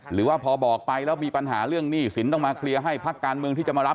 หรือว่าพอบอกไปแล้วมีปัญหาเรื่องหนี้สินต้องมาเคลียร์ให้พักการเมืองที่จะมารับ